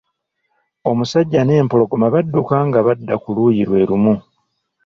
Omusajja n'empologoma badduka nga badda ku luuyi lwe lumu.